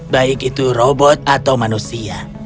baik itu robot atau manusia